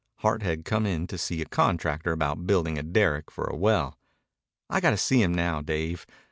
Hart had come in to see a contractor about building a derrick for a well. "I got to see him now, Dave.